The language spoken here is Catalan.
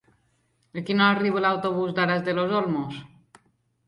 A quina hora arriba l'autobús d'Aras de los Olmos?